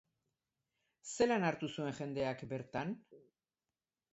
Zelan hartu zuen jendeak bertan?